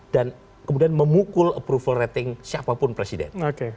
dan kemudian memukul approval rating siapapun presiden